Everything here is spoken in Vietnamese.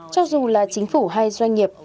cho dù là chính phủ hay doanh nghiệp